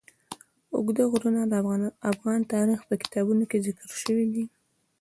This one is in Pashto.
اوږده غرونه د افغان تاریخ په کتابونو کې ذکر شوی دي.